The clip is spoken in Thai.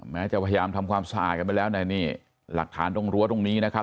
พยายามจะพยายามทำความสะอาดกันไปแล้วเนี่ยหลักฐานตรงรั้วตรงนี้นะครับ